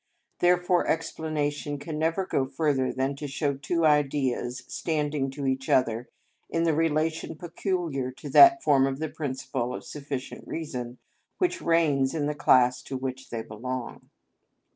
Therefore explanation can never go further than to show two ideas standing to each other in the relation peculiar to that form of the principle of sufficient reason which reigns in the class to which they belong.